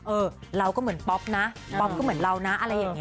เออเราก็เหมือนป๊อปนะป๊อปก็เหมือนเรานะอะไรอย่างนี้